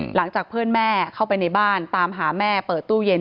หลังจากเพื่อนแม่เข้าไปในบ้านตามหาแม่เปิดตู้เย็น